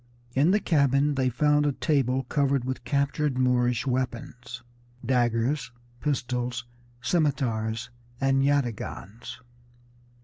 In the cabin they found a table covered with captured Moorish weapons, daggers, pistols, scimitars, and yataghans.